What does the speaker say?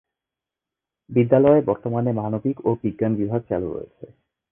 বিদ্যালয়ে বর্তমানে মানবিক ও বিজ্ঞান বিভাগ চালু রয়েছে।